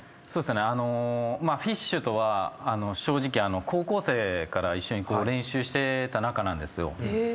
そうっすねＦＩＳＨとは正直高校生から一緒に練習してた仲なんですよ。